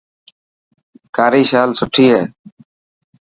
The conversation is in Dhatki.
ڪاري شال سٺي هي.